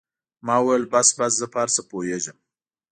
ما وويل بس بس زه په هر څه پوهېږم.